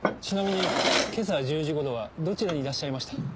ちなみに今朝１０時頃はどちらにいらっしゃいました？